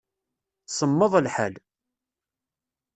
Semmeḍ lḥal.